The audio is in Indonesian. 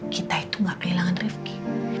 kita itu gak kehilangan rezeki